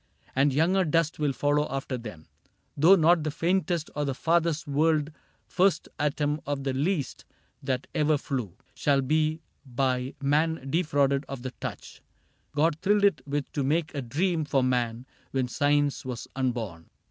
And younger dust will follow after them ; Though not the faintest or the farthest whirled First atom of the least that ever flew Shall be by man defrauded of the touch God thrilled it with to make a dream for man When Science was unborn.